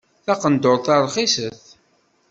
Taqendurt-a rxiset.